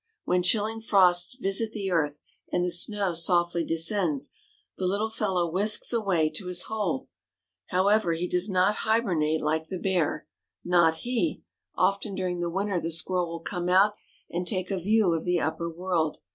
When chilling frosts visit the earth and the snow softly descends, the little fellow whisks away to his hole. However, he does not hibernate, like the bear. Not he. Often during the winter the squirrel will come out and take a view of the upper world.